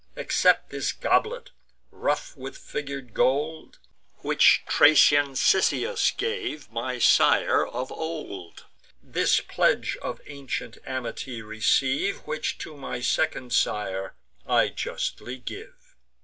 Accept this goblet, rough with figur'd gold, Which Thracian Cisseus gave my sire of old: This pledge of ancient amity receive, Which to my second sire I justly give."